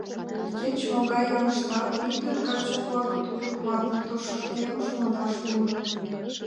Кеч-могай ялыштат ӱдыр-каче-влак тулык ватын тошкемыш модаш погынат.